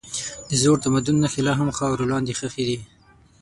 د زوړ تمدن نښې لا هم خاورو لاندې ښخي دي.